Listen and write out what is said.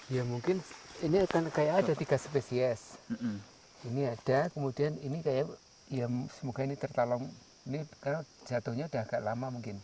ya mungkin ini akan kayak ada tiga spesies ini ada kemudian ini kayak ya semoga ini tertolong ini jatuhnya udah agak lama mungkin